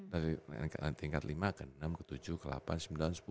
dari tingkat lima ke enam ke tujuh ke delapan ke sembilan sepuluh